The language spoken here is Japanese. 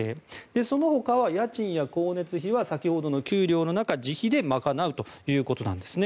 そのほかは家賃や光熱費は先ほどの給料の中で自費で賄うということなんですね。